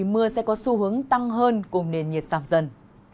mưa sẽ có xu hướng tăng hơn cùng nền nhiệt giảm dần